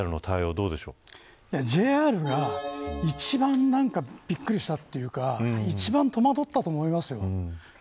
ＪＲが、一番びっくりしたというか一番戸惑ったと思いますよ。